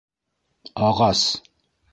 Ағас!